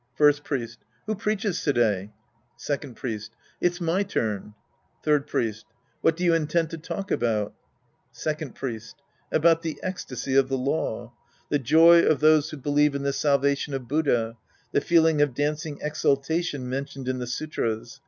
First Priest. Who preaches to day ? Second Priest. It's my turn. Third Priest. What do you intend to talk about ? Second Priest. About the ecstasy of the law. The joy of those who believe in the salvation of Buddha, the feeling of dancing exultation mentioned in the sutras.